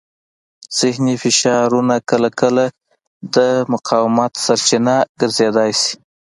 ذهني فشارونه کله ناکله د مقاومت سرچینه ګرځېدای شي.